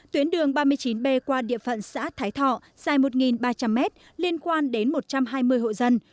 tuyến đường ba mươi chín b qua địa phận xã thái thọ dài một ba trăm linh m liên quan đến một trăm hai mươi hộ dân